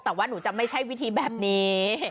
แต่ว่าหนูจะไม่ใช่วิธีแบบนี้